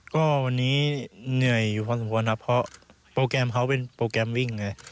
ก็วันนี้เหนื่อยอยู่พอสมควรครับเพราะโปรแกรมเขาเป็นโปรแกรมวิ่งไง